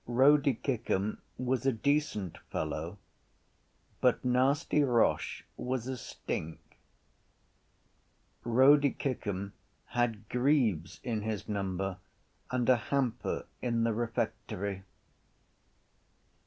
Rody Kickham was a decent fellow but Nasty Roche was a stink. Rody Kickham had greaves in his number and a hamper in the refectory.